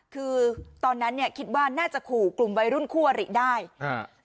คือตอนนั้นเนี้ยคิดว่าน่าจะขู่กลุ่มวัยรุ่นคู่อริได้อ่า